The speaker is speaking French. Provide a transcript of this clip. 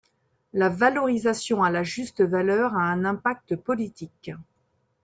La valorisation à la juste valeur a un impact politique.